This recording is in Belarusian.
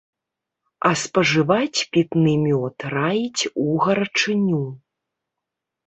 А спажываць пітны мёд раіць у гарачыню.